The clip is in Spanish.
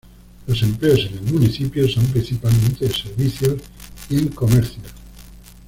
Los empleos en el municipio son principalmente de servicios y en comercios.